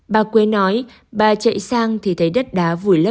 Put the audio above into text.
bà quế nói bà chạy sang thì thấy đất đá vùi lấp